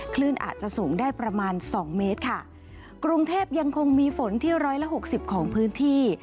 คลื่นอาจจะสูงได้ประมาณสองเมตรค่ะกรุงเทพยังคงมีฝนที่ร้อยละหกสิบของพื้นที่